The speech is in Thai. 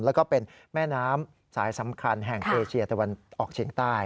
แล้วก็เป็นแม่น้ำสายสำคัญแห่งเอเชียตะวันออกเฉียงใต้